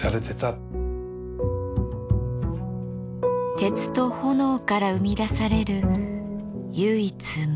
鉄と炎から生み出される唯一無二の芸術です。